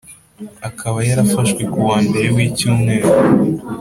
Akaba yarafashwe ku wa Mbere w’Iki cyumweru